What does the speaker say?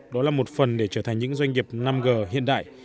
đó là một phần để trở thành những doanh nghiệp năm g hiện đại